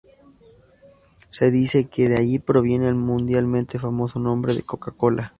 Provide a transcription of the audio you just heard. Se dice que de allí proviene el mundialmente famoso nombre Coca Cola.